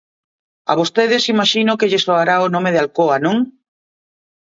A vostedes imaxino que lles soará o nome de Alcoa, ¿non?